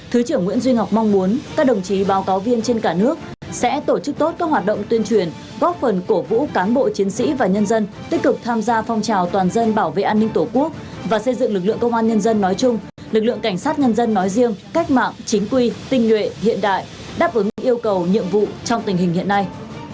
thứ trưởng nguyễn duy ngọc mong muốn các đồng chí báo cáo viên trên cả nước sẽ tổ chức tốt các hoạt động tuyên truyền góp phần cổ vũ cán bộ chiến sĩ và nhân dân tích cực tham gia phong trào toàn dân bảo vệ an ninh tổ quốc và xây dựng lực lượng công an nhân dân nói chung lực lượng cảnh sát nhân dân nói riêng cách mạng chính quy tinh nguyện hiện đại đáp ứng yêu cầu nhiệm vụ trong tình hình hiện nay